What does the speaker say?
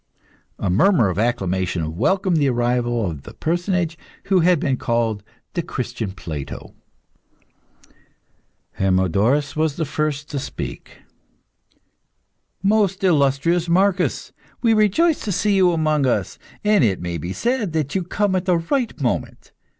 A murmur of acclamation welcomed the arrival of the personage who had been called the Christian Plato. Hermodorus was the first to speak. "Most illustrious Marcus, we rejoice to see you amongst us, and it may be said that you come at the right moment.